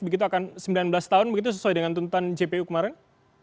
begitu akan sembilan belas tahun begitu sesuai dengan tuntutan jpu kemarin